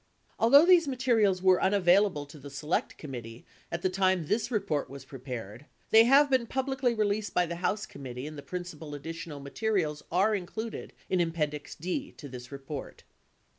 Although these materials were unavailable to the Select Committee at the time this report w T as prepared, they have been publicly released by the House committee and the principal additional materials are included in appendix D to this report.